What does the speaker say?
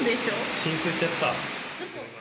浸水しちゃった。